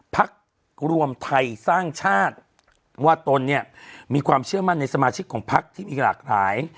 พักรวมไทยสร้างชาติว่าตนเนี่ยมีความเชื่อมั่นในสมาชิกของพักที่มีหลากหลาย